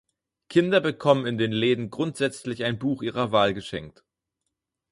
Kinder bekommen in den Läden grundsätzlich ein Buch ihrer Wahl geschenkt.